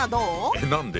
えっ何で？